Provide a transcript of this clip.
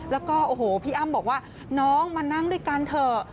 แล้วก็โอ้โหพี่อ้ำบอกว่าน้องมานั่งด้วยกันเถอะ